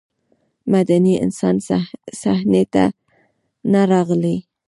مدني انسان صحنې ته نه راغلی.